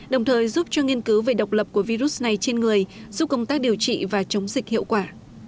đồng thời giúp cho nghiên cứu về độc lập của virus này trên người giúp công tác điều trị và chống dịch hiệu quả